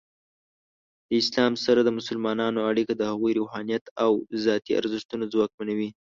د اسلام سره د مسلمانانو اړیکه د هغوی روحانیت او ذاتی ارزښتونه ځواکمنوي.